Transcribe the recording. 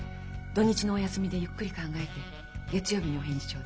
土日のお休みでゆっくり考えて月曜日にお返事ちょうだい。